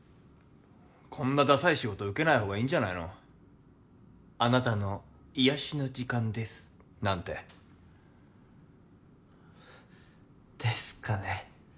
こんなダサい仕事受けないほうがいいんじゃないの「あなたの癒やしの時間です」なんてですかね